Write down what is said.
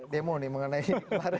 demo nih mengenai